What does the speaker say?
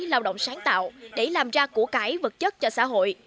lao động sáng tạo để làm ra củ cải vật chất cho xã hội